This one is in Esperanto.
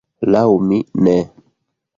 Laŭ mi ne.